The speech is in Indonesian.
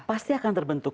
pasti akan terbentuk